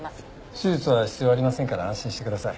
手術は必要ありませんから安心してください。